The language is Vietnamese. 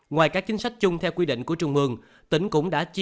ngoài các chính sách chung theo quy định của trung mương